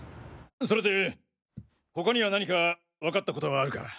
それで他には何かわかった事はあるか？